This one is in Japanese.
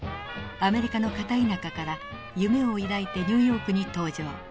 アメリカの片田舎から夢を抱いてニューヨークに登場。